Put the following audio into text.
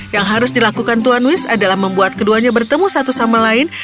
yang harus dilakukan tuan wish adalah membuat keduanya bertemu satu sama lain